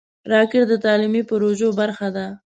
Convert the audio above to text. راکټ د تعلیمي پروژو برخه ده